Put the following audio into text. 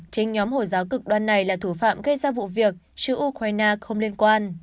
chính nhóm hồi giáo cực đoan này là thủ phạm gây ra vụ việc chứ ukraine không liên quan